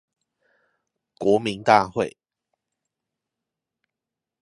國民大會